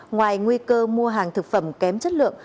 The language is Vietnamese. ngoài nguy cơ mua hàng thực phẩm kém chất lượng